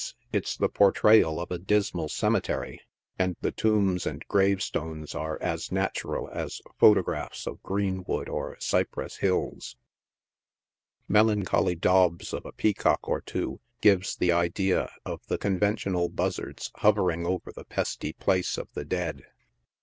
it's the portrayal of a dismal cemetery, and the tombs and grave stones are as natural as photographs of Greenwood or Cypress Hills — melancholy daubs of a peacock or two 'gives the idea of the conventional buzzards hovering over the pesty place of the dead.